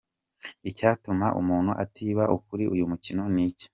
Icyatuma umuntu atibaza kuri uyu mukino ni iki ?